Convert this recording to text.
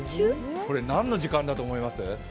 これ何の時間だと思います？